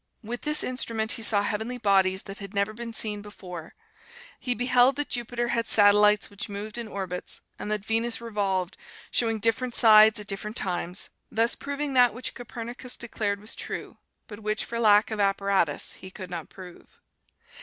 With this instrument, he saw heavenly bodies that had never been seen before; he beheld that Jupiter had satellites which moved in orbits, and that Venus revolved, showing different sides at different times, thus proving that which Copernicus declared was true, but which, for lack of apparatus, he could not prove.